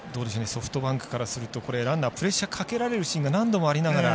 ソフトバンクからするとランナープレッシャーかけられるシーンが何度もありながら。